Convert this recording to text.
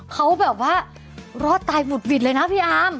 เขาแบบว่ารอดตายหุดหวิดเลยนะพี่อาร์ม